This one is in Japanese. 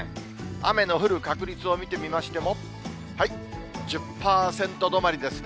雨の降る確率を見てみましても、１０％止まりですね。